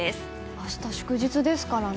明日、祝日ですからね。